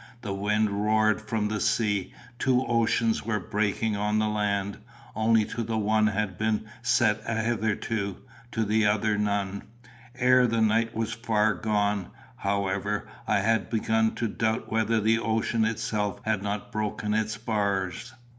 The wind roared from the sea; two oceans were breaking on the land, only to the one had been set a hitherto to the other none. Ere the night was far gone, however, I had begun to doubt whether the ocean itself had not broken its bars.